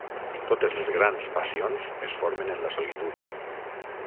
Totes les grans passions es formen en la solitud.